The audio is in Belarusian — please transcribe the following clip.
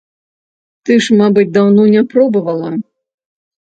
Ты ж, мабыць, даўно не пробавала.